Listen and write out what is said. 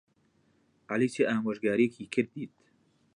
عەلی چ ئامۆژگارییەکی کردیت؟